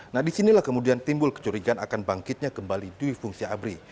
nah disinilah kemudian timbul kecurigaan akan bangkitnya kembali dwi fungsi abri